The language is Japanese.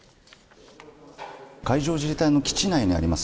海上自衛隊の基地内にあります